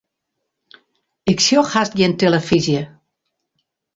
Ik sjoch hast gjin telefyzje.